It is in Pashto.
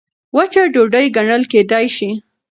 وچه ډوډۍ کنګل کېدای شي.